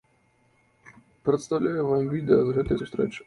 Прадстаўляем вам відэа з гэтай сустрэчы.